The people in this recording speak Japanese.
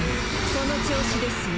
その調子ですよ